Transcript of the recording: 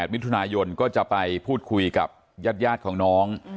มิถุนายนก็จะไปพูดคุยกับญาติของน้อง